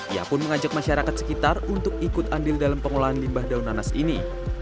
ia pun mengajak masyarakat sekitar untuk ikut andil dalam pengolahan limbah daun nanas ini